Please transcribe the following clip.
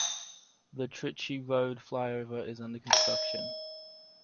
The Trichy Road Flyover is under construction.